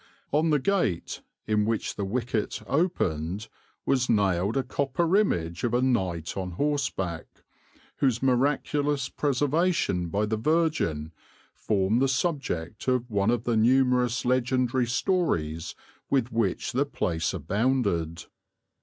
On the gate in which the wicket opened was nailed a copper image of a knight on horseback, whose miraculous preservation by the Virgin formed the subject of one of the numerous legendary stories with which the place abounded.